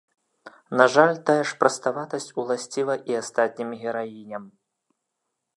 На жаль, тая ж праставатасць уласціва і астатнім гераіням.